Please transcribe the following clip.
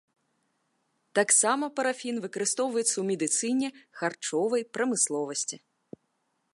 Таксама парафін выкарыстоўваецца ў медыцыне, харчовай прамысловасці.